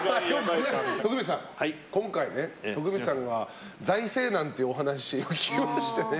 徳光さん、今回ね、徳光さんが財政難っていうお話を聞きましてね。